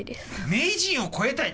名人を超えたい？